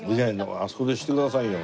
あそこでしてくださいよ。